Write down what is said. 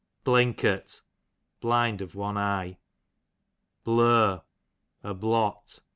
Blinkert, blind of one eye. Blur, a blot.